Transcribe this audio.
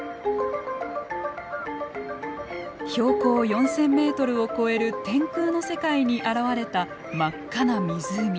標高４，０００メートルを超える天空の世界に現れた真っ赤な湖。